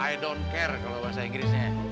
i don't care kalo bahasa inggrisnya